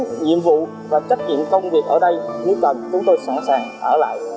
nhiệm vụ và trách nhiệm công việc ở đây nếu cần chúng tôi sẵn sàng ở lại